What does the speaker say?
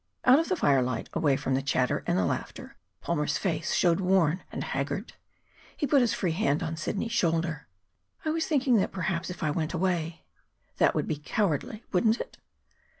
Out of the firelight, away from the chatter and the laughter, Palmer's face showed worn and haggard. He put his free hand on Sidney's shoulder. "I was thinking that perhaps if I went away " "That would be cowardly, wouldn't it?"